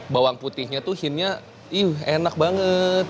bawang putihnya tuh hinnya iuh enak banget